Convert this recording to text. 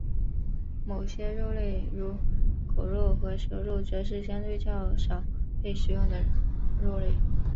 某些肉类如狗肉或蛇肉则是相对较少被食用的肉类。